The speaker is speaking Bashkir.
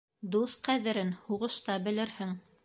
Дуҫ ҡәҙерен һуғышта белерһең.